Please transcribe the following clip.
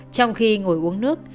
trong khi ngồi uống nước